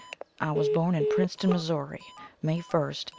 I was born in Princeton, Missourri, May 1st, 1852.